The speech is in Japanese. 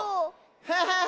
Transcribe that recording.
ハハハハ！